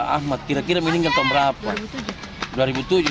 ahmad kira kira minggu tahun berapa dua ribu tujuh